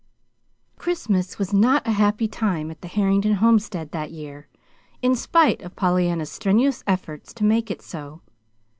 Christmas was not a happy time at the Harrington homestead that year, in spite of Pollyanna's strenuous efforts to make it so.